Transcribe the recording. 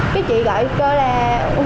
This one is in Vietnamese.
cái chị gọi kêu là